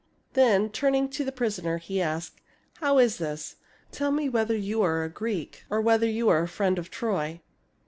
Then turning to the prisoner, he asked, " How is this? Tell me whether you are a Greek or whether you are a friend of Troy.